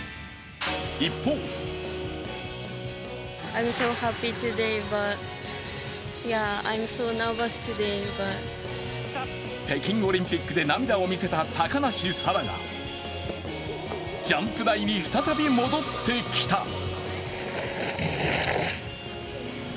一方北京オリンピックで涙を見せた高梨沙羅がジャンプ台に再び戻ってきた。